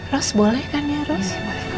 ros boleh kan ya ros